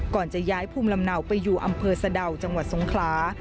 จะย้ายภูมิลำเนาไปอยู่อำเภอสะดาวจังหวัดสงขลา